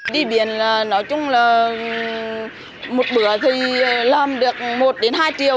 đi biển là nói chung là một bữa thì làm được một hai triệu